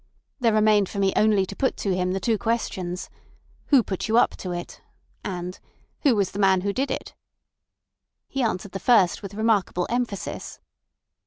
There remained for me only to put to him the two questions: Who put you up to it? and Who was the man who did it? He answered the first with remarkable emphasis.